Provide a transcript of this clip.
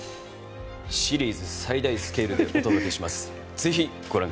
シリーズ最大スケールでお届けします。